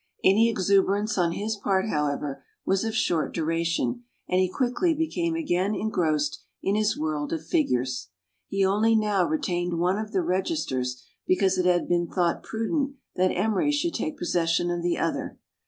Any exuberance on his part, however, was of short duration, and he quickly became again engrossed in his world of figures. He only now retained one of the registers, because it had been thought prudent that Emery should take possession of the other.